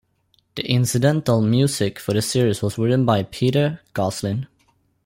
The incidental music for the series was written by Peter Goslin.